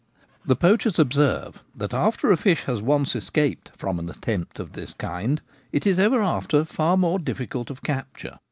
The poachers observe that after a fish has once escaped from an attempt of the kind it is ever after far more difficult of capture.